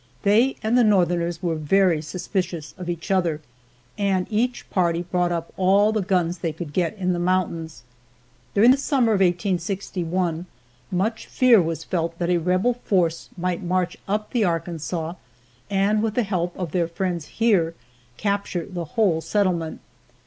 They and the Northerners were very suspicious of each other, and each party bought up all the guns they could get in the mountains. During the summer of 1861 much fear was felt that a rebel force might march up the Arkansas and, with the help of their friends here, capture the whole settlement.